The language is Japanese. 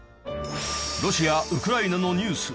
ロシア・ウクライナのニュース